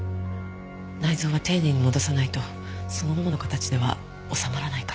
内臓は丁寧に戻さないとそのままの形では収まらないから。